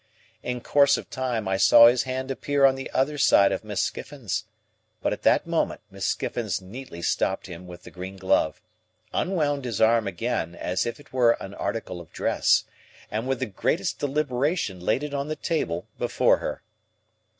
In course of time I saw his hand appear on the other side of Miss Skiffins; but at that moment Miss Skiffins neatly stopped him with the green glove, unwound his arm again as if it were an article of dress, and with the greatest deliberation laid it on the table before her.